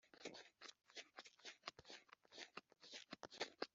- musenyeri kagame alegisi ni we wanditse